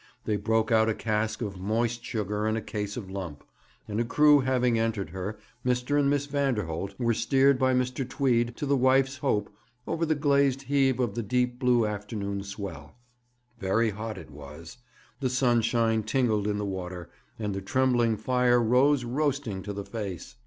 They broke out a cask of moist sugar and a case of lump; and a crew having entered her, Mr. and Miss Vanderholt were steered by Mr. Tweed to the Wife's Hope over the glazed heave of the deep blue afternoon swell. Very hot it was. The sunshine tingled in the water, and the trembling fire rose roasting to the face.